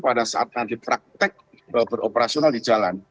pada saat nanti praktek beroperasional di jalan